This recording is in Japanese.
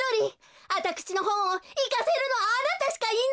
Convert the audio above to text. あたくしのほんをいかせるのはあなたしかいないのよ！